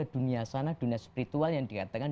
dunia sana dunia spiritual yang dikatakan